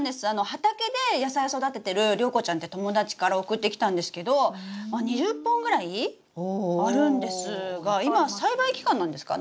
畑で野菜を育ててる良子ちゃんって友達から送ってきたんですけど２０本ぐらいあるんですが今栽培期間なんですか？